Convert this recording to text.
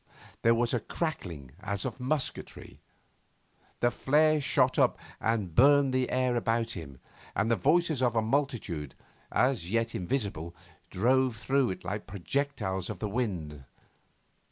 There was a crackling as of musketry. The flare shot up and burned the air about him, and the voices of a multitude, as yet invisible, drove through it like projectiles on the wind.